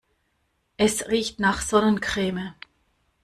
Es riecht nach Sonnencreme.